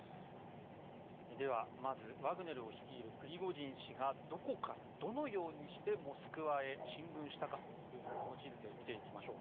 では、まずワグネルを率いるプリゴジン氏がどこから、どのようにしてモスクワへ進軍したかというのをこの地図で見ていきましょう。